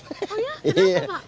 oh iya kenapa pak